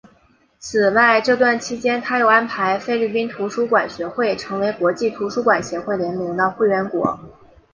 此外这段期间他又安排菲律宾图书馆学会成为国际图书馆协会联盟的会员国。